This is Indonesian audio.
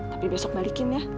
tapi besok balikin ya